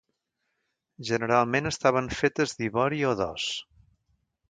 Generalment estaven fetes d'ivori o d'os.